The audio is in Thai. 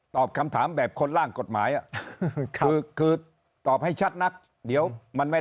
ตอบคำถามแบบคนล่างกฎหมายคือคือตอบให้ชัดนักเดี๋ยวมันไม่